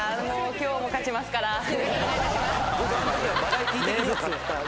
今日も勝ちますから。